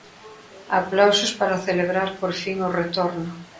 Aplausos para celebrar por fin o retorno.